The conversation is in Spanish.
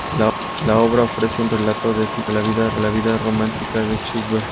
La obra ofrece un relato de ficción sobre la vida romántica de Schubert.